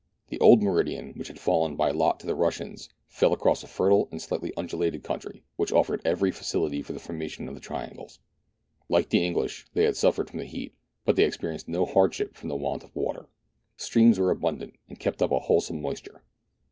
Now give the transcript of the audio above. The old meridian, which had fallen by lot to the Russians, fell across a fertile and slightly undulated country, which offered every facility for the formation of the triangles. Like the English, they had suffered from the heat, but they had experienced no hardship from the want of water. Streams were abundant, and kept up a wholesome moisture.